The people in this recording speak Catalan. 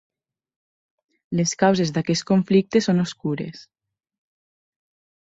Les causes d'aquest conflicte són obscures.